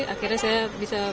akhirnya saya bisa berjuang